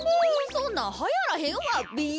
そんなんはやらへんわべ。